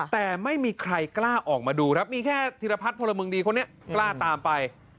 แต่ไม่มีใครกล้าออกมาดูครับมีแค่ธิรพัฒน์พลเมืองดีคนนี้กล้าตามไป